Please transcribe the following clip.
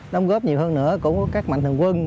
đóng góp nhiều hơn nữa của các mạnh thường quân